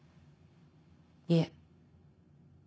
いえ。